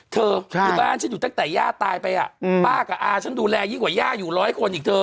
อยู่บ้านฉันอยู่ตั้งแต่ย่าตายไปป้ากับอาฉันดูแลยิ่งกว่าย่าอยู่ร้อยคนอีกเธอ